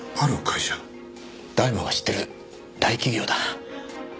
誰もが知ってる大企業だ。